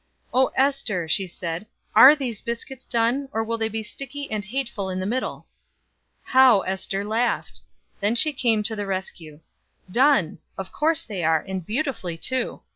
"Oh, Ester," she said, "are these biscuits done, or will they be sticky and hateful in the middle?" How Ester laughed! Then she came to the rescue. "Done of course they are, and beautifully, too.